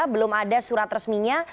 belum ada surat resminya